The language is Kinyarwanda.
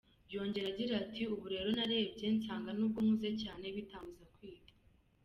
Yongera agira ati “Ubu rero nararebye nsanga nubwo nkuze cyane bitambuza kwiga.